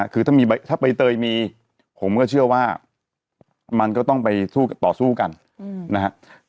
คือถ้าใบเตยมีผมก็เชื่อว่ามันก็ต้องไปต่อสู้กันนะครับ